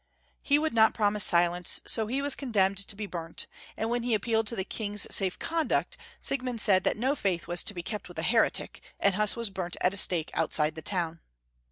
He would 240 Young Folks* History of Germany, not promise sUence, so he was condemned to be burnt, and when he appealed to the Kmg's safe conduct, Siegmund said that no faith was to be kept with a heretic, and Huss was burnt at a stake outside the town.